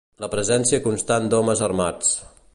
La presència constant d'homes armats